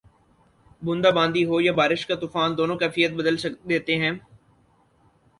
بوندا باندی ہو یا بارش کا طوفان، دونوں کیفیت بدل دیتے ہیں۔